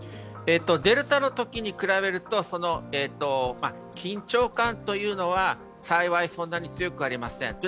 デルタのときに比べると、緊張感というのは幸い、そんなに強くありません。